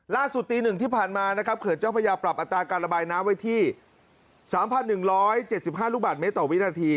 ตี๑ที่ผ่านมานะครับเขื่อนเจ้าพระยาปรับอัตราการระบายน้ำไว้ที่๓๑๗๕ลูกบาทเมตรต่อวินาที